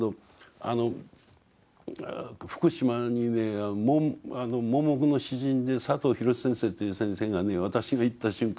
福島にね盲目の詩人で佐藤浩先生っていう先生がね私が行った瞬間